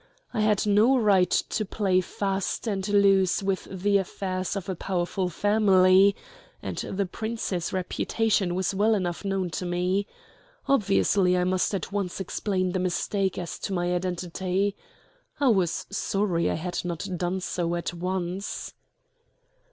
I had no right to play fast and loose with the affairs of a powerful family and the Prince's reputation was well enough known to me. Obviously I must at once explain the mistake as to my identity. I was sorry I had not done so at once.